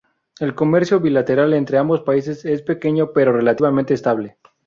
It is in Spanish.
El comercio bilateral entre ambos países es pequeño, pero relativamente estable.